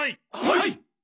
はい！